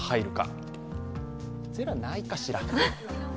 ０はないかしら。